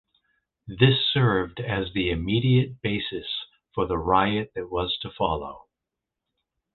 This served as the immediate basis for the riot that was to follow.